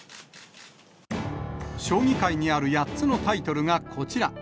将棋界にある８つのタイトルがこちら。